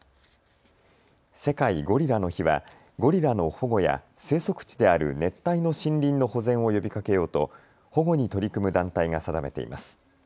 世界ゴリラの日はゴリラの保護や生息地である熱帯の森林の保全を呼びかけようと保護に取り組む団体が定めています。